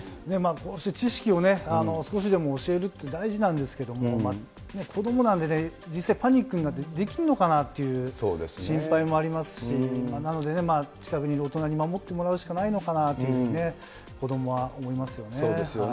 こうして知識を少しでも教えるって大事なんですけれども、子どもなんでね、実際、パニックになってできるのかなっていう心配もありますし、なので、近くにいる大人に守ってもらうしかないのかなっていうね、子どもそうですよね。